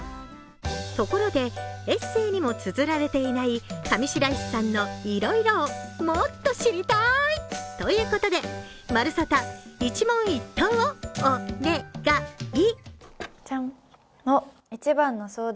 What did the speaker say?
ところでエッセーにもつづられていない上白石さんのいろいろをもっと知りたーいということで「まるサタ！一問一答」をお・ね・が・い。